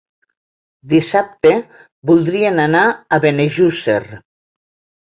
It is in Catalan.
Dissabte voldrien anar a Benejússer.